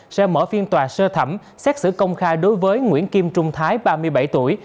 sẽ mở phiên tòa sơ thẩm xét xử công khai đối với nguyễn kim trung thái ba mươi bảy tuổi